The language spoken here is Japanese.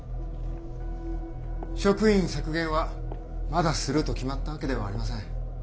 職員削減はまだすると決まったわけではありません。